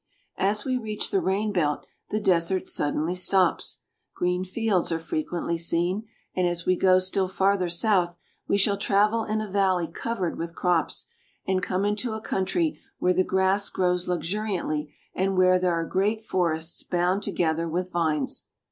As we reach the rain belt the desert suddenly stops; green fields are frequently seen ; and as we go still farther south we shall travel in a valley covered with crops, and come into a country where the grass grows luxuriantly and where there are great forests bound together with vines.